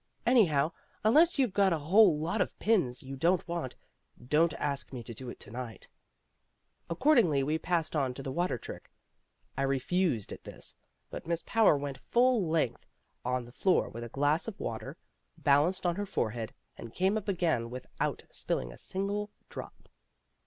Anyhow, unless you've got a whole lot of pins you don't want, don't ask me to do it to night." Accordingly we passed on to the water trick. I refused at this, but Miss Power went full length on the floor with a glass of water balanced on her forehead and came up again without spilling a single drop.